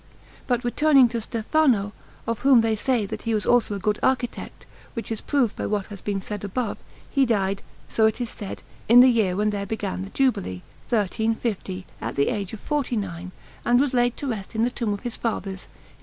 But returning to Stefano, of whom they say that he was also a good architect, which is proved by what has been said above, he died, so it is said, in the year when there began the jubilee, 1350, at the age of forty nine, and was laid to rest in the tomb of his fathers, in S.